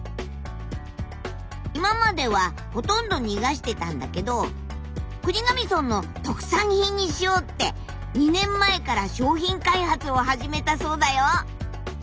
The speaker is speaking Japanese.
今まではほとんど逃がしていたんだけど国頭村の特産品にしよう！って２年前から商品開発を始めたそうだよ。